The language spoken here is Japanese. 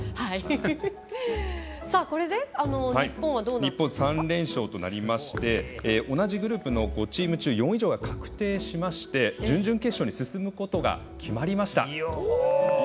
日本３連勝となりまして同じグループのチーム中４位以上が確定しまして準々決勝に進むことが決まりました。